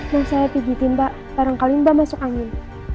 mau saya pijitin mbak barangkali mbak masuk angin